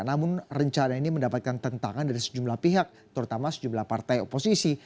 namun rencana ini mendapatkan tentangan dari sejumlah pihak terutama sejumlah partai oposisi